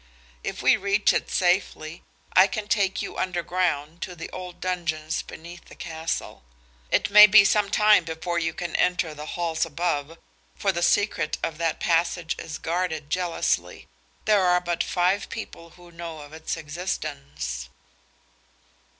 "If we reach it safely I can take you underground to the old dungeons beneath the castle. It may be some time before you can enter the halls above, for the secret of that passage is guarded jealously. There are but five people who know of its existence."